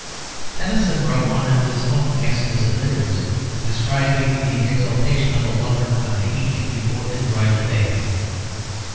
Tennyson wrote one of his own exquisite lyrics describing the exultation of a lover on the evening before his bridal day.